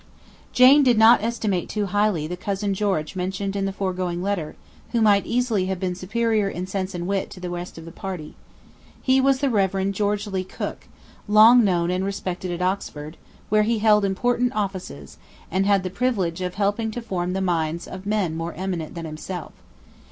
Jane did not estimate too highly the 'Cousin George' mentioned in the foregoing letter; who might easily have been superior in sense and wit to the rest of the party. He was the Rev. George Leigh Cooke, long known and respected at Oxford, where he held important offices, and had the privilege of helping to form the minds of men more eminent than himself.